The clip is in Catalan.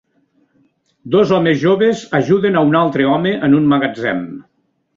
Dos homes joves ajuden a un altre home en un magatzem